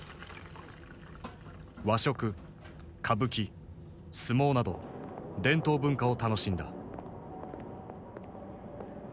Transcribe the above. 和食歌舞伎相撲など伝統文化を楽しんだ。